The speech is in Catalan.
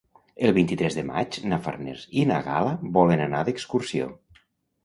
El vint-i-tres de maig na Farners i na Gal·la volen anar d'excursió.